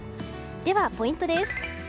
ではポイントです。